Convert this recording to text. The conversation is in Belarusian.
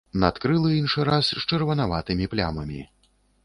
Надкрылы іншы раз з чырванаватымі плямамі.